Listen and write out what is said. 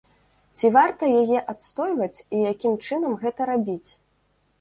Ці варта яе адстойваць і якім чынам гэта рабіць?